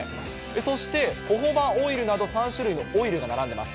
そしてホホバオイルなど３種類のオイルが並んでます。